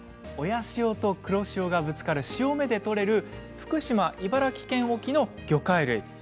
親潮と黒潮がぶつかる潮目で取れる福島茨城県沖の魚介類